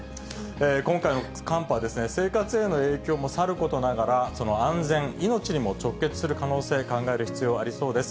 今回の寒波は、生活への影響もさることながら、安全、命にも直結する可能性を考える必要がありそうです。